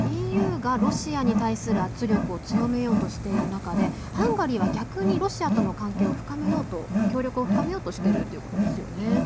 ＥＵがロシアに対する圧力を強めようとしている中でハンガリーは逆にロシアとの関係を深めようと協力を深めようとしているということですよね。